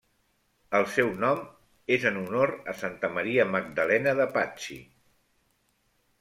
El seu nom és en honor a Santa Maria Magdalena de Pazzi.